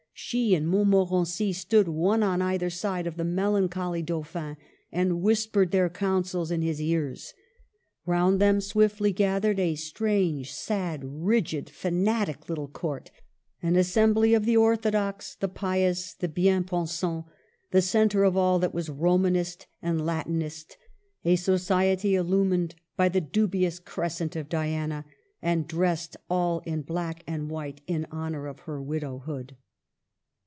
She and Montmorency stood one on either side the melancholy Dau phin and whispered their counsels in his ears. Round them swiftly gathered a strange, sad, rigid, fanatic little Court, an assembly of the orthodox, the pious, the bien pensants, the centre of all that was Romanist and Latinist, a society illumined by the dubious crescent of Diana, and dressed all in black and white in honor of her widowhood.